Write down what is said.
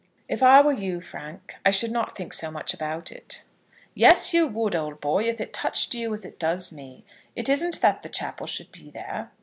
"If I were you, Frank, I should not think so much about it." "Yes, you would, old boy, if it touched you as it does me. It isn't that the chapel should be there.